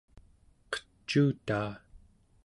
qecuutaa